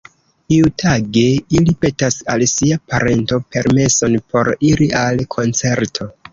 Iutage, ili petas al sia parento permeson por iri al koncerto.